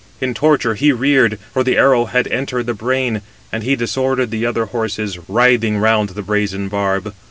269 In torture he reared, for the arrow had entered the brain; and he disordered the [other] horses, writhing round the brazen barb.